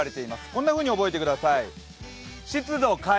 こんなふうに覚えてください。